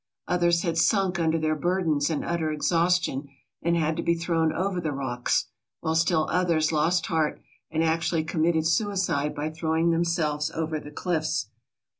Others had sunk under their burdens in utter exhaustion and had to be thrown over the rocks, while still others lost heart and actually committed suicide by throwing themselves over the cliffs.